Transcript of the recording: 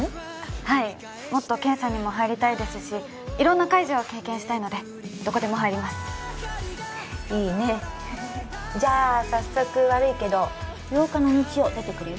はいもっと検査にも入りたいですし色んな介助を経験したいのでどこでも入りますいいねじゃあ早速悪いけど８日の日曜出てくれる？